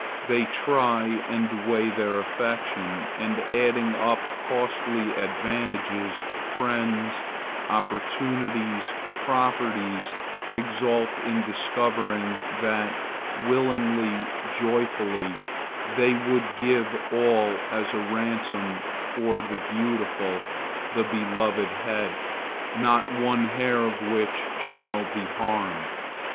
They try and weigh their affection, and adding up costly advantages, friends, opportunities, properties, exult in discovering that willingly, joyfully, they would give all as a ransom for the beautiful, the beloved head, not one hair of which shall be harmed.